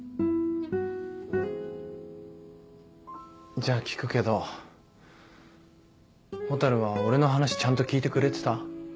じゃあ聞くけど蛍は俺の話ちゃんと聞いてくれてた？